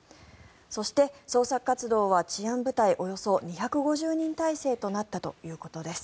そして、捜索活動は治安部隊およそ２５０人態勢となったということです。